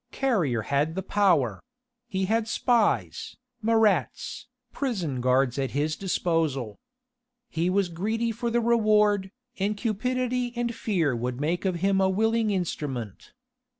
Carrier had the power: he had spies, Marats, prison guards at his disposal. He was greedy for the reward, and cupidity and fear would make of him a willing instrument.